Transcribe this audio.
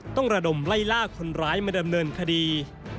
ระดมไล่ล่าคนร้ายมาดำเนินคดี